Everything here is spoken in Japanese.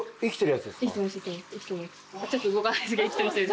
ちょっと動かないですが生きてますよ